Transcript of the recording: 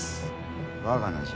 我が名じゃ。